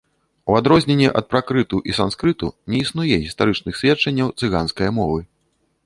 У адрозненне ад пракрыту і санскрыту, не існуе гістарычных сведчанняў цыганскае мовы.